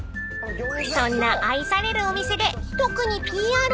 ［そんな愛されるお店で特に］